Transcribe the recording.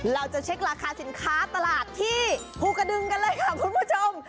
เราจะเช็คราคาสินค้าตลาดที่ภูกระดึงกันเลยค่ะคุณผู้ชม